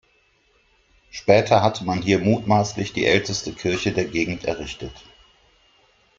Später hatte man hier mutmaßlich die älteste Kirche der Gegend errichtet.